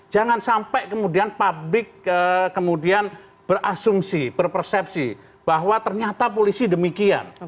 jangan sampai kemudian publik kemudian berasumsi berpersepsi bahwa ternyata polisi demikian